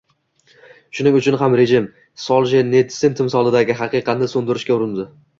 Shuning uchun ham rejim, Soljenitsin timsolidagi haqiqatni so‘ndirishga urindi.